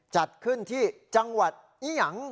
จัดขึ้นที่จังหวัดอียัง